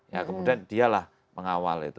ya kemudian dialah mengawal itu